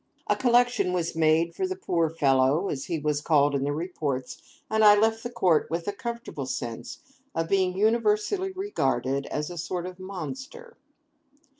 A collection was made for the 'poor fellow,' as he was called in the reports, and I left the court with a comfortable sense of being universally regarded as a sort of monster.